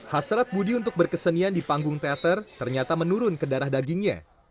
hasrat budi untuk berkesenian di panggung teater ternyata menurun ke darah dagingnya